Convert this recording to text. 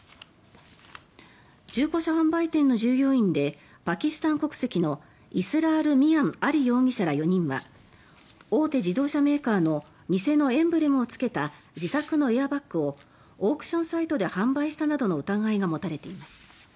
中古車販売店の従業員でパキスタン国籍のイスラール・ミアン・アリ容疑者ら４人は大手自動車メーカーの偽のエンブレムをつけた自作のエアバッグをオークションサイトで販売したなどの疑いが持たれています。